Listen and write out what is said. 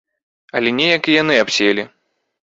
Але неяк і яны абселі.